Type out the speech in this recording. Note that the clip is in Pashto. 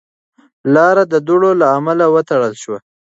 لار د دوړو له امله وتړل شوه.